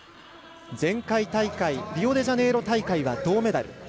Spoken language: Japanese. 前回大会リオデジャネイロ大会は銅メダル。